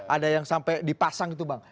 ada yang sampai dipasang itu bang